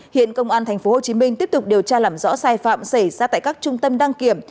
hiện công an tp hcm tiếp tục điều tra làm rõ sai phạm xảy ra tại các trung tâm đăng kiểm